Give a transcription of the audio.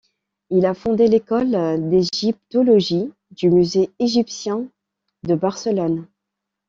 Il a fondé l’École d’égyptologie du musée égyptien de Barcelone.